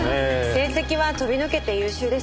成績は飛び抜けて優秀です。